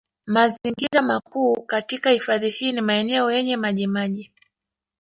Mazingira makuu katika hifadhi hii ni maeneo yenye maji maji